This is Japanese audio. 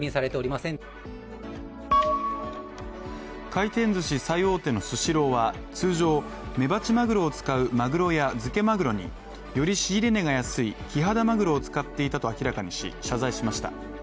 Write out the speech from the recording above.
回転ずし最大手のスシローは通常メバチマグロを使うまぐろや漬けまぐろにより仕入れ値が安いキハダマグロを使っていたと明らかにし、謝罪しました。